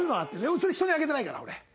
それ人にあげてないから俺。